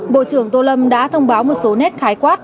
bộ trưởng tô lâm đã thông báo một số nét khái quát